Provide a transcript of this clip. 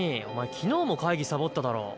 昨日も会議サボっただろ？